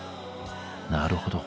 なるほど。